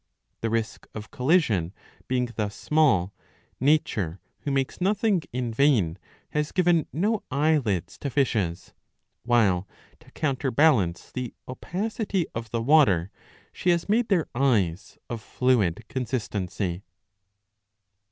The risk of collision being thus small, nature, who makes nothing in vain, has given no eye lids to fishes, while to counterbalance the opacity of the water she has made their eyes of fluid consistency.